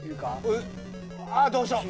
ああどうしよう？